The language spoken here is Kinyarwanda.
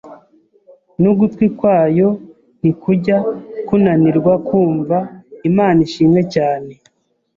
n’ugutwi kwayo ntikujya kunanirwa kumva, Imana ishimwe cyane.